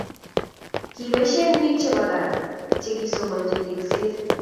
Kipaishen pik che po kaa che kisomachi tekset